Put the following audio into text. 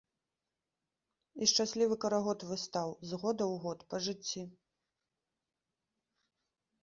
І шчаслівы карагод выстаў, з года ў год, па жыцці.